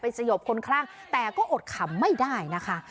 สยบคนคลั่งแต่ก็อดขำไม่ได้นะคะ